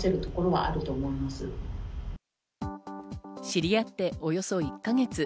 知り合っておよそ１か月。